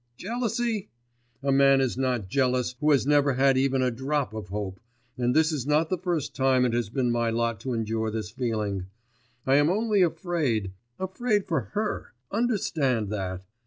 Jealousy? A man is not jealous who has never had even a drop of hope, and this is not the first time it has been my lot to endure this feeling. I am only afraid ... afraid for her, understand that.